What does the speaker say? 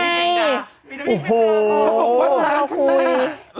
มีนาวิทยาลักษณะก่อนมีนาวิทยาลักษณะก่อนมีนาวิทยาลักษณะก่อนโอ้โฮ